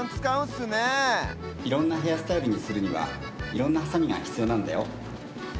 いろんなヘアスタイルにするにはいろんなハサミがひつようなんだよ。